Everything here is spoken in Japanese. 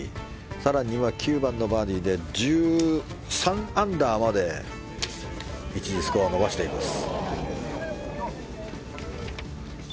更には９番のバーディーで１３アンダーまで一時、スコアを伸ばしています。